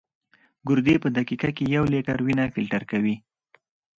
ګردې په دقیقه کې یو لیټر وینه فلټر کوي.